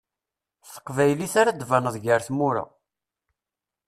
S teqbaylit ara d-baneḍ gar tmura.